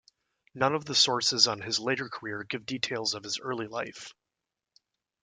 None of the sources on his later career give details of his early life.